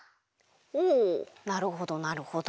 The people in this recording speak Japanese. おおなるほどなるほど。